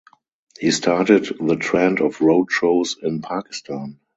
He started the trend of road shows in Pakistan.